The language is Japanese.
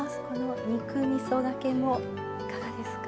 肉みそがけもいかがですか？